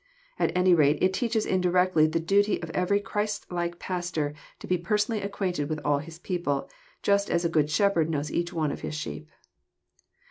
At any rate it teaches indirectly the duty of every Christ like pastor to be personally acquainted with all his people, just as a good shepherd knows each one of his sheep.